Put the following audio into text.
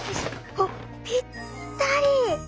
あっぴったり！